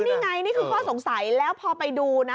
นี่ไงนี่คือข้อสงสัยแล้วพอไปดูนะ